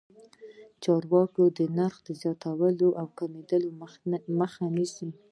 چارواکي د نرخ د زیاتوالي او کمېدو مخه نیسي.